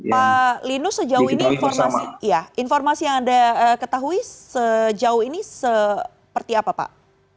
pak linus sejauh ini informasi yang anda ketahui sejauh ini seperti apa pak